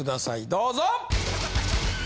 どうぞ。